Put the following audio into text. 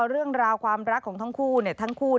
เรื่องราวความรักของทั้งคู่